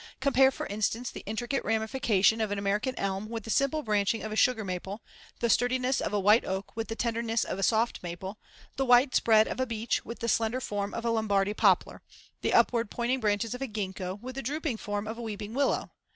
Compare, for instance, the intricate ramification of an American elm with the simple branching of a sugar maple, the sturdiness of a white oak with the tenderness of a soft maple, the wide spread of a beech with the slender form of a Lombardy poplar, the upward pointing branches of a gingko with the drooping form of a weeping willow.